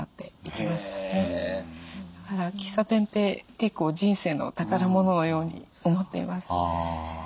だから喫茶店って結構人生の宝物のように思っています。